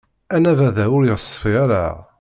Anabaḍ-a ur yeṣfi ara.